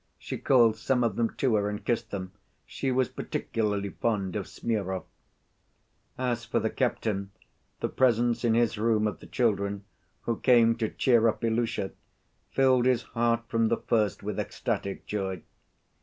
She called some of them to her and kissed them. She was particularly fond of Smurov. As for the captain, the presence in his room of the children, who came to cheer up Ilusha, filled his heart from the first with ecstatic joy.